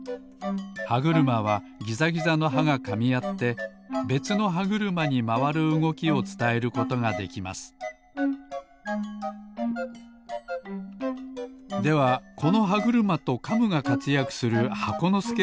歯車はギザギザの歯がかみあってべつの歯車にまわるうごきをつたえることができますではこの歯車とカムがかつやくする箱のすけをみてみましょう